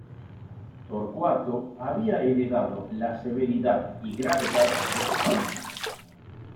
Torcuato había heredado la severidad y gravedad de su familia.